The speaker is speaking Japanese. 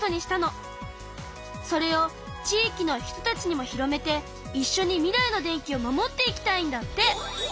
それを地域の人たちにも広めていっしょに未来の電気を守っていきたいんだって！